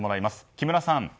木村さん。